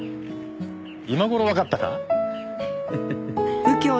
今頃わかったか。